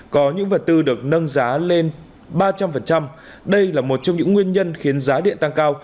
có những vật tư được nâng giá lên ba trăm linh đây là một trong những nguyên nhân khiến giá điện tăng cao